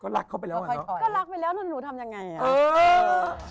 ก็รักเขาไปแล้วหนูทำยังไงอ่ะ